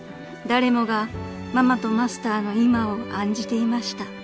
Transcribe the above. ［誰もがママとマスターの今を案じていました］